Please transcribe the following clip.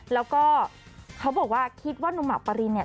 แล้วก็เขาบอกว่าคิดว่านุ่มหมากปรินเนี่ย